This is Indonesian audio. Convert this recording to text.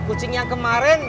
jack kucingnya yang kemaren